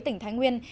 tỉnh thái nguyên